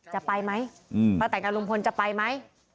จะไปไหมป้าแต่งงานลุงพลจะไปไหม